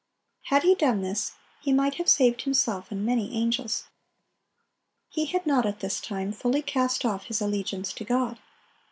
Had he done this, he might have saved himself and many angels. He had not at this time fully cast off his allegiance to God.